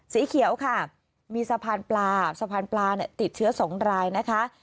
สีเขียวค่ะมีสะพานปลาสะพานปลาติดเชื้อ๒รายนะคะ